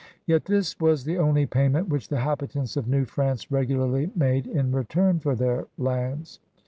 Yet this was the only payment which the habitants of New France regularly made in return for their lands.